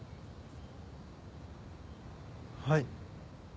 はい。